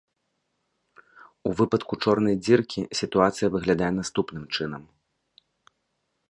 У выпадку чорнай дзіркі сітуацыя выглядае наступным чынам.